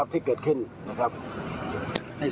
ที่เกิดขึ้นนะครับ